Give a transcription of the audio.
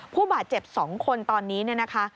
ผู้บาดเจ็บสองคนตอนนี้นะคะ